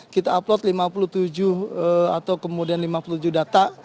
kita upload lima puluh tujuh atau kemudian lima puluh tujuh data